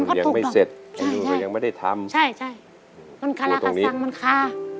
ไอ้อันนูยังไม่เสร็จไอ้อันนูยังไม่ได้ทำมันโกรศาสน์ขายเป็นค่ะ